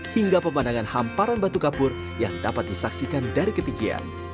hingga pemandangan hamparan batu kapur yang dapat disaksikan dari ketinggian